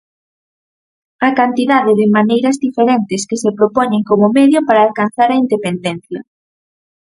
A cantidade de maneiras diferentes que se propoñen como medio para alcanzar a independencia.